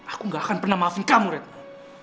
aku gak akan pernah maafin kamu retno